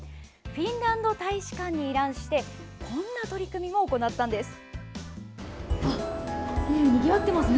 フィンランド大使館に依頼してこんな取り組みも行ったんです。